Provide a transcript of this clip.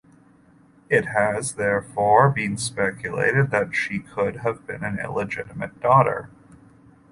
It has therefore been speculated that she could have been an illegitimate daughter.